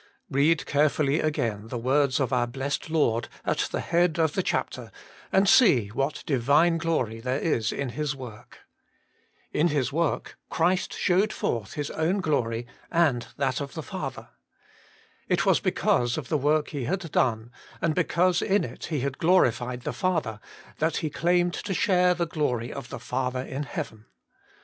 Read carefully again the words of our Blessed Lord at the head of the chapter, and see what Divine glory there is in His work. In His work Christ showed forth His own glory and that of the Father. It was be cause of the work He had done, and because in it He had glorified the Father, that He claimed to share the glory of tlie Father in heaven.